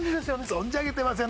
存じ上げてますよ